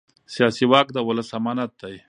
سیاسي واک د ولس امانت دی